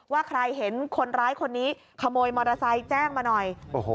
ว่าใครเห็นคนร้ายคนนี้ขโมยมอเตอร์ไซค์แจ้งมาหน่อย